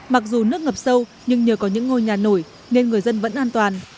mặc dù nước ngập sâu nhưng nhờ có những ngôi nhà nổi nên người dân vẫn an toàn